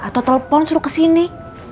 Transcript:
atau telepon suruh kesini